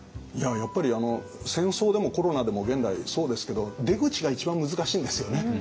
やっぱり戦争でもコロナでも現代そうですけど出口が一番難しいんですよね。